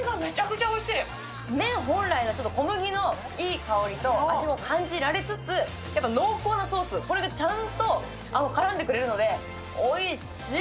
麺本来の小麦のいい感じと味も感じられつつ、濃厚なソース、これでちゃんと絡んでくれるので、おいしい！